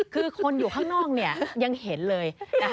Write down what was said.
คือคนอยู่ข้างนอกยังเห็นเลย